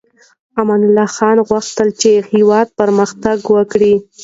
امان الله خان غوښتل چې هېواد پرمختګ وکړي.